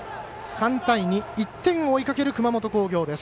３対２、１点を追いかける熊本工業です。